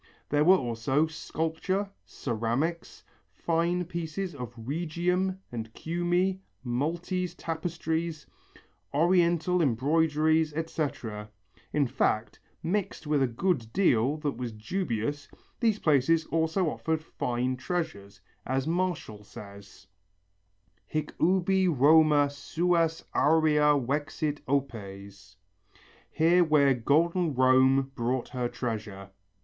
There were also sculpture, ceramics, fine pieces of Rhegium and Cumæ, Maltese tapestries, Oriental embroideries, etc. In fact, mixed with a good deal that was dubious, these places also offered fine treasures, as Martial says: Hic ubi Roma suas aurea vexit opes. (Here where golden Rome brought her treasure.)